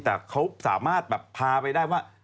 แต่เขาสามารถแบบพาไปได้ว่า